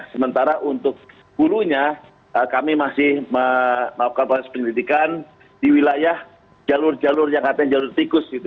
sementara untuk bulunya kami masih melakukan posisi pendidikan di wilayah jalur jalur yang katanya jalur tikus